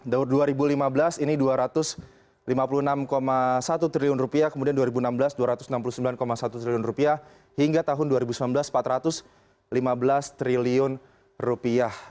tahun dua ribu lima belas ini dua ratus lima puluh enam satu triliun rupiah kemudian dua ribu enam belas dua ratus enam puluh sembilan satu triliun rupiah hingga tahun dua ribu sembilan belas empat ratus lima belas triliun rupiah